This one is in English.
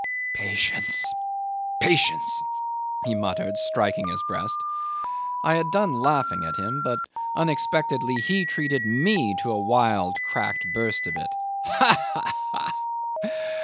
"Patience patience," he muttered, striking his breast. I had done laughing at him, but unexpectedly he treated me to a wild cracked burst of it. "Ha! ha! ha!